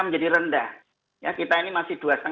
menjadi rendah ya kita ini masih